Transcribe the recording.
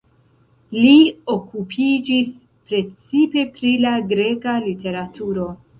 Li okupiĝis precipe pri la greka literaturo.